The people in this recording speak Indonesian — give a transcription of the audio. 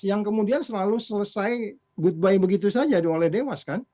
yang kemudian selalu selesai goodby begitu saja oleh dewas kan